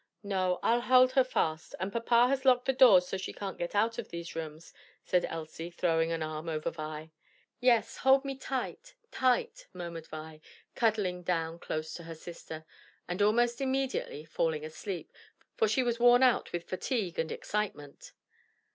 "No, I'll hold her fast; and papa has locked the doors so she can't get out of these rooms," said Elsie, throwing an arm over Vi. "Yes, hold me tight, tight" murmured Vi, cuddling down close to her sister, and almost immediately falling asleep, for she was worn out with fatigue and excitement.